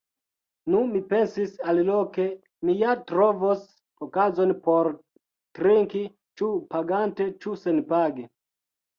Nu mi pensis, aliloke mi ja trovos okazon por trinki, ĉu pagante ĉu senpage.